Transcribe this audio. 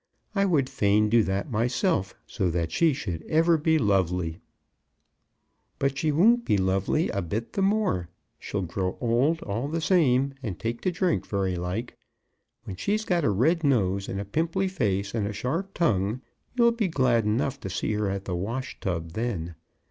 I would fain do that myself, so that she should ever be lovely." "But she won't be lovely a bit the more. She'll grow old all the same, and take to drink very like. When she's got a red nose and a pimply face, and a sharp tongue, you'd be glad enough to see her at the wash tub then.